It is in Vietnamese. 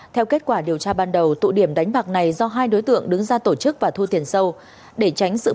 theo kết quả điều tra ban đầu tụ điểm đánh bạc này do hai đối tượng đứng ra tổ chức và thu tiền sâu